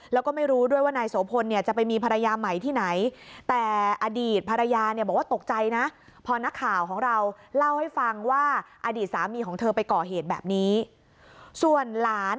แล้วก็ไม่รู้ด้วยว่านายโสพลเนี่ยจะไปมีภรรยาใหม่ที่ไหน